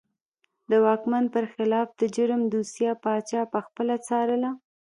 د واکمن پر خلاف د جرم دوسیه پاچا پخپله څارله.